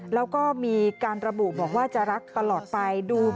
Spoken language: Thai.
แล้วก็มีการระบุบอกว่าจะรักตลอดไป